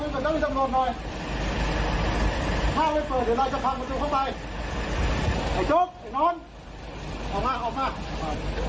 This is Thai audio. เปิดประตูมาคุยกับด้านนี้ทำลนหน่อยพร้อมให้เปิดเดี๋ยวเราจะพังประตูเข้าไป